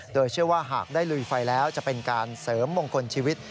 โดยเชื่อว่าหากได้ลุยไฟแล้วจะเป็นการเสริมมงคลชีวิต